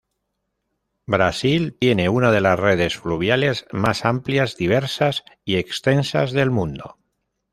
Brasil tiene una de las redes fluviales más amplias, diversas y extensas del mundo.